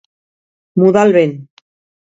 Mudar el vent.